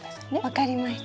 分かりました。